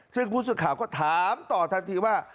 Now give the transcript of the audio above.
ซึ่งผู้สื่อข่าวก็ถามต่อทันทีว่า